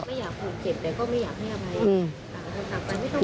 ไม่อยากฝูกเจ็บแต่ก็ไม่อยากให้อภัย